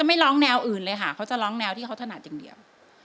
ไม่ร้องแนวอื่นเลยค่ะเขาจะร้องแนวที่เขาถนัดอย่างเดียว